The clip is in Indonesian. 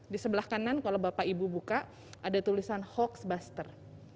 di sebelah kanan kalau bapak ibu buka ada tulisan hoax buster